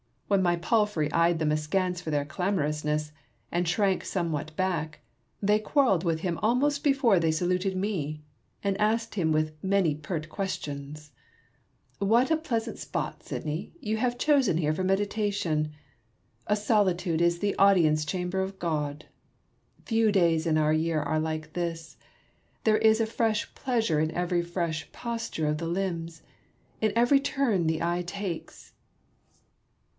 When my palfrey eyed them askance for their clamorousness, and shrank somewhat back, they quarrelled with him almost before they saluted me, and asked him many pert questions. What a pleasant spot, Sidney, have you chosen here for meditation ! A solitude is the audience chamber of God. Few days in our year are like this : there is a fresh pleasure in every fresh posture of the limbs, in every turn the eye takes.